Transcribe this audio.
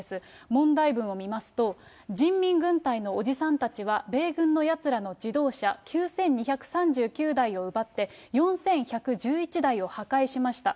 問題文を見ますと、人民軍隊のおじさんたちは米軍のやつらの自動車、９２３９台を奪って４１１１台を破壊しました。